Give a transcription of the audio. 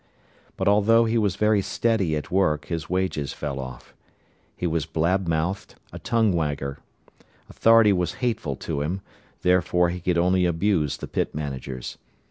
But although he was very steady at work, his wages fell off. He was blab mouthed, a tongue wagger. Authority was hateful to him, therefore he could only abuse the pit managers.